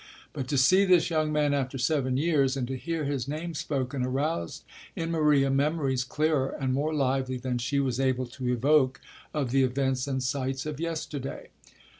But to see this young man after seven years, and to hear his name spoken, aroused in Maria memories clearer and more lively than she was able to evoke of the events and sights of yesterday.